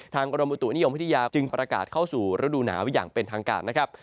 กรมอุตุนิยมวิทยาจึงประกาศเข้าสู่ฤดูหนาวอย่างเป็นทางการนะครับ